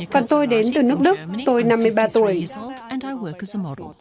còn tôi đến từ nước đức tôi năm mươi ba tuổi